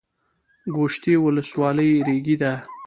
ګوشتې ولسوالۍ ریګي ده؟